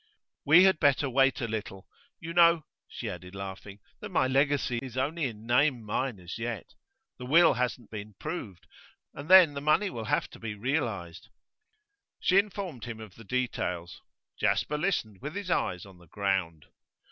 'We had better wait a little. You know,' she added laughing, 'that my legacy is only in name mine as yet. The will hasn't been proved. And then the money will have to be realised.' She informed him of the details; Jasper listened with his eyes on the ground.